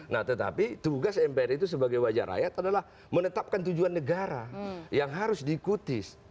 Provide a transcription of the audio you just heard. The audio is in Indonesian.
nah tetapi tugas mpr itu sebagai wajah rakyat adalah menetapkan tujuan negara yang harus diikuti